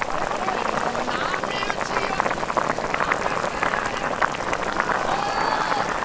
波打ち際、風強い！